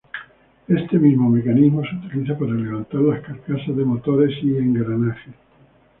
Este mismo mecanismo se utiliza para levantar las carcasas de motores y engranajes.